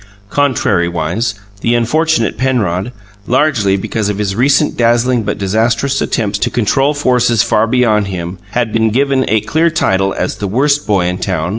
Contrariwise, the unfortunate Penrod, largely because of his recent dazzling but disastrous attempts to control forces far beyond him, had been given a clear title as the Worst Boy in Town.